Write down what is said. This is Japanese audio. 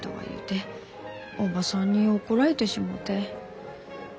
いうておばさんに怒られてしもうて。